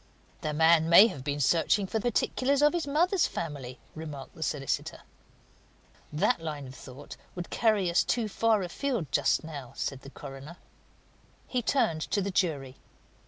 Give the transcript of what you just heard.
"The man may have been searching for particulars of his mother's family," remarked the solicitor. "That line of thought would carry us too far afield just now," said the coroner. He turned to the jury.